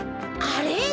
あれ？